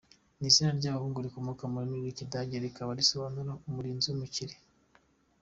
Ni izina ry’abahungu rikomoka ku rurimi rw’Ikidage rikaba risobanura “Umurinzi w’umukire”.